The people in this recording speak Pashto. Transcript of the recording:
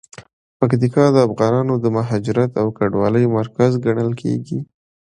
پکتیکا د افغانانو د مهاجرت او کډوالۍ مرکز ګڼل کیږي.